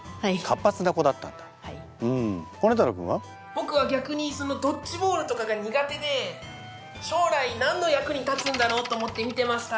僕は逆にそのドッジボールとかが苦手で将来何の役に立つんだろうと思って見てました。